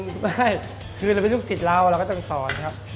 ไม่ได้คือเราเป็นลูกศิษย์เราเราก็ต้องสอนครับ